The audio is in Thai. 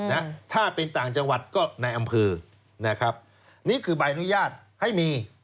นะฮะถ้าเป็นต่างจังหวัดก็ในอำเภอนะครับนี่คือใบอนุญาตให้มี